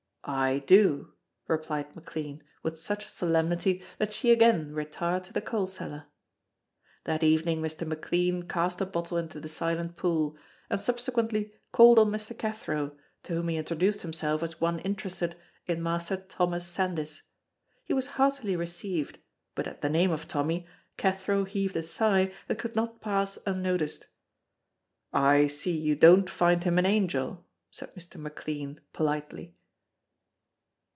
"I do," replied McLean with such solemnity that she again retired to the coal cellar. That evening Mr. McLean cast a bottle into the Silent Pool, and subsequently called on Mr. Cathro, to whom he introduced himself as one interested in Master Thomas Sandys. He was heartily received, but at the name of Tommy, Cathro heaved a sigh that could not pass unnoticed. "I see you don't find him an angel," said Mr. McLean, politely.